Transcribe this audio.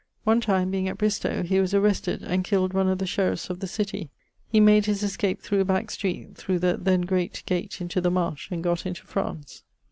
One time being at Bristowe, he was arrested, and killed one of the sheriffes of the city. He made his escape through Back street, through the (then great) gate, into the Marsh, and gott into France.